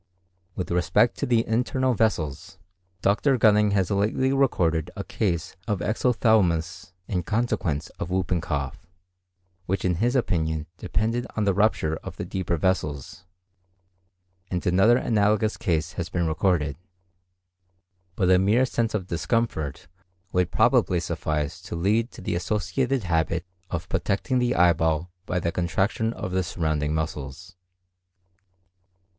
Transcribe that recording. With respect to the internal vessels, Dr. Gunning has lately recorded a case of exophthalmos in consequence of whooping cough, which in his opinion depended on the rupture of the deeper vessels; and another analogous case has been recorded. But a mere sense of discomfort would probably suffice to lead to the associated habit of protecting the eyeball by the contraction of the surrounding muscles.